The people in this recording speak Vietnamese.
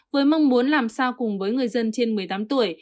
với mong muốn làm sao cùng với người dân trên một mươi tám tuổi